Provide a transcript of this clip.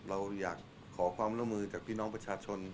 เราอยากขอความร่วมมือจากพี่น้องประชาชน